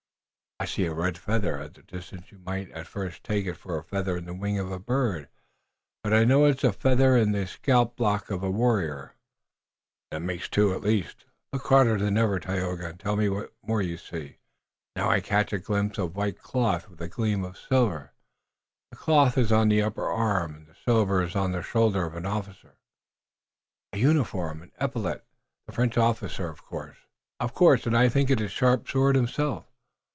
"I see a red feather. At this distance you might at first take it for a feather in the wing of a bird, but I know it is a feather in the scalplock of a warrior." "And that makes two, at least. Look harder than ever, Tayoga, and tell me what more you see." "Now I catch a glimpse of white cloth with a gleam of silver. The cloth is on the upper arm, and the silver is on the shoulder of an officer." "A uniform and an epaulet. A French officer, of course." "Of course, and I think it is Sharp Sword himself."